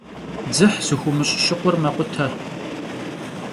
Dzıh zıxuumış' şıkhur mekhute.